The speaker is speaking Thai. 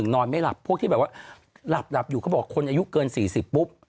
นอนไม่หลับพวกที่แบบว่าหลับอยู่เขาบอกคนอายุเกิน๔๐ปุ๊บ